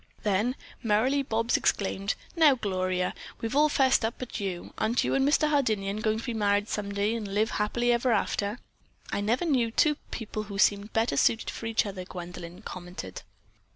Then merrily Bobs exclaimed: "Now, Gloria, we've all 'fessed up but you. Aren't you and Mr. Hardinian going to be married some day and live happily ever after?" "I never knew two people who seemed better suited for each other," Gwendolyn commented.